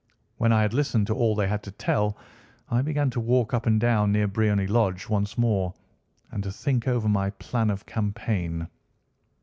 When I had listened to all they had to tell, I began to walk up and down near Briony Lodge once more, and to think over my plan of campaign.